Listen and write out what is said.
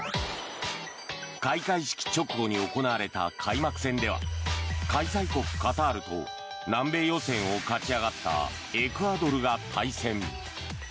開会式直後に行われた開幕戦では開催国カタールと南米予選を勝ち上がったエクアドルが対戦。